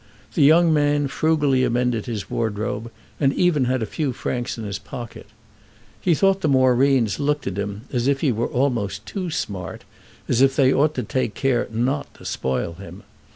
The young man frugally amended his wardrobe and even had a few francs in his pocket. He thought the Moreens looked at him as if he were almost too smart, as if they ought to take care not to spoil him.